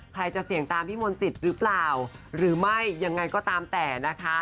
ใครจะเสี่ยงตามพี่มนต์สิทธิ์หรือเปล่าหรือไม่ยังไงก็ตามแต่นะคะ